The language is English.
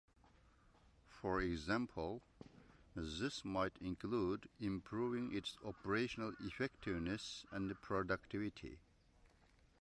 For example, this might include improving its operational effectiveness and productivity.